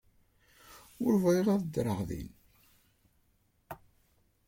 Ur bɣiɣ ad ddreɣ din.